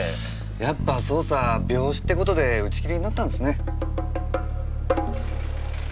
やっぱ捜査病死ってことで打ち切りになったんですね。